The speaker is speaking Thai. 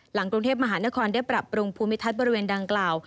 หลังกรุงเทพมหานครได้ปรับปรุงภูมิทัศน์บริเวณดังกล่าว